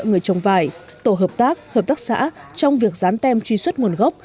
hỗ trợ người trồng vải tổ hợp tác hợp tác xã trong việc dán tem truy xuất nguồn gốc